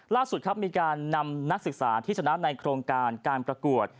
ล่าสุดครับมีการนำนักศึกษาที่ชนะในโครงการการประกวด